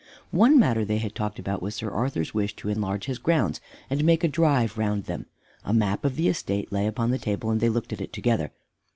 One matter they had talked about was Sir Arthur's wish to enlarge his grounds and make a drive round them. A map of the estate lay upon the table and they looked at it together.